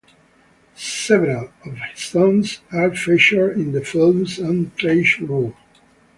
Several of his songs are featured in the films and Traceroute.